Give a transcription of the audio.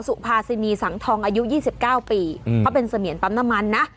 สุภาษินีสังทองอายุ๒๙ปีเขาเป็นเสมียนปั๊มน้ำมันนะ